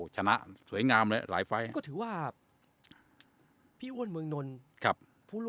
ชนะสวยงามเลยหลายไฟล์